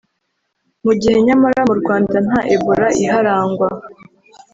mu gihe nyamara mu Rwanda nta Ebola iharangwa